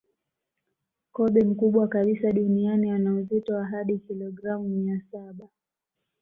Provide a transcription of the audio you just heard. Kobe mkubwa kabisa duniani ana uzito wa hadi kilogramu mia saba